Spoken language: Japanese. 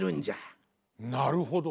なるほど。